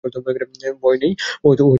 ভয় নেই, ও এখানে নেই।